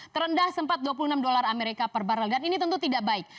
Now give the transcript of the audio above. terendah sempat dua puluh enam dolar amerika per barrel dan ini tentu tidak baik